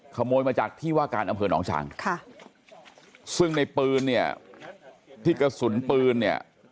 ขโมยมาจากที่ว่าการอำเภอหนองฉางค่ะซึ่งในปืนเนี่ยที่กระสุนปืนเนี่ย